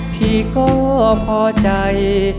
พี่ก็พอใจ